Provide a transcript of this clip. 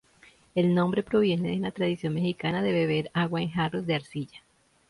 El nombre proviene de la tradición mexicana de beber agua en jarros de arcilla.